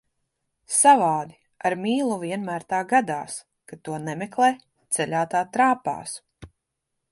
Savādi, ar mīlu vienmēr tā gadās, kad to nemeklē, ceļā tā trāpās.